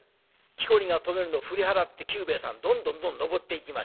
きこりが止めるのを振り払って久兵衛さんどんどんどんどん登っていきました。